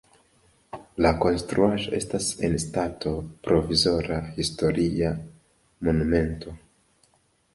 La konstruaĵo estas en stato provizora historia monumento.